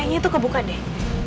kayaknya itu kebuka deh